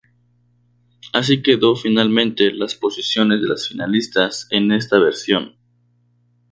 Así quedó finalmente las posiciones de las finalistas en esta versión.